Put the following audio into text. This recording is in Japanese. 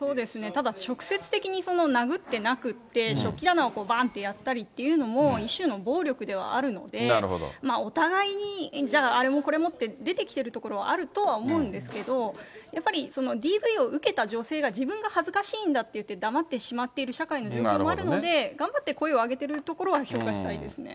ただ直接的に殴ってなくって、食器棚をばんってやったりというのも、一種の暴力ではあるので、お互いにじゃあ、あれもこれもって出てきてるところはあると思うんですけれども、やっぱりＤＶを受けた女性が、自分が恥ずかしいんだって黙ってしまっている社会の状況もあるので、頑張って声を上げているところは評価したいですね。